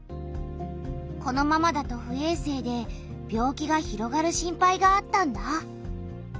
このままだと不衛生で病気が広がる心配があったんだ。